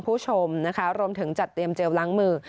ผู้ชมนะคะรวมถึงจัดเตรียมเจลล้างมือ